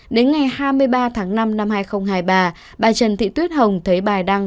đến ngày hai mươi ba tháng năm năm hai nghìn hai mươi ba bà trần thị tuyết hồng thấy bài đăng